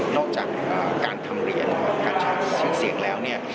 นอกจากการทำเหรียญแล้วการเชื่อเสียงแล้วเนี่ย